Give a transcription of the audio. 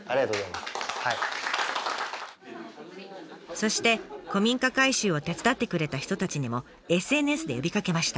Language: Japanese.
そして古民家改修を手伝ってくれた人たちにもＳＮＳで呼びかけました。